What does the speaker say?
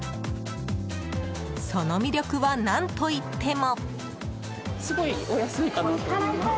その魅力は何といっても。